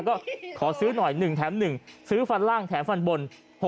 ก็ขอซื้อหน่อย๑แถม๑ซื้อฟันล่างแถมฟันบน